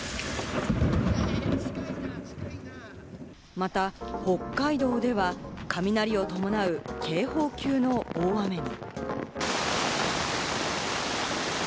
また北海道では、雷を伴う警報級の大雨に。